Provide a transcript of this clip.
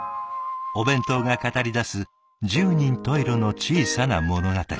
お弁当が語りだす十人十色の小さな物語。